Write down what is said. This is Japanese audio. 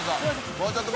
もうちょっと。